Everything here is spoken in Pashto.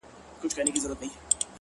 خو ژوند حتمي ستا له وجوده ملغلري غواړي _